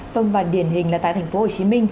vâng và điển hình là tại thành phố hồ chí minh